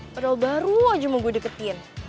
padahal baru aja mau gue deketin